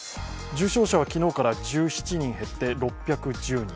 重症者は昨日から１７人減って６１０人